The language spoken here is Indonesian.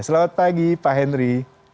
selamat pagi pak henry